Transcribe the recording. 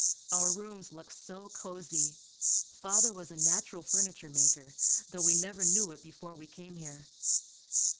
Our rooms looked so cozy. Father was a natural furniture maker, though we never knew it before we came here.